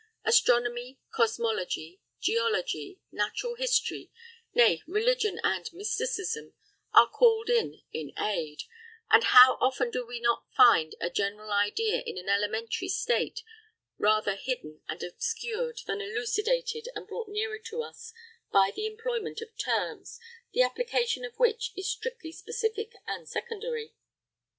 Astronomy, cosmology, geology, natural history, nay religion and mysticism, are called in in aid; and how often do we not find a general idea and an elementary state rather hidden and obscured than elucidated and brought nearer to us by the employment of terms, the application of which is strictly specific and secondary.